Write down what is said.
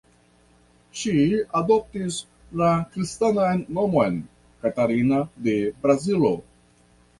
Ŝi adoptis la kristanan nomon "Katarina de Brazilo".